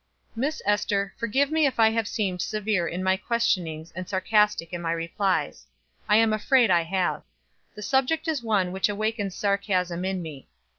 "Miss Ester, forgive me if I have seemed severe in my questionings and sarcastic in my replies. I am afraid I have. The subject is one which awakens sarcasm in me.